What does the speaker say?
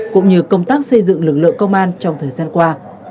cũng như công tác xây dựng lực lượng công an trong thời gian qua